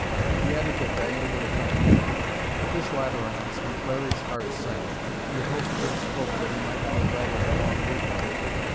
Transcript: He added that Diane would accompany him. At this latter announcement, Larry's heart sank. He had hoped against hope that he might be invited along with them.